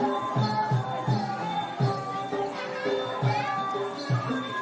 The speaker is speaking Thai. การทีลงเพลงสะดวกเพื่อความชุมภูมิของชาวไทย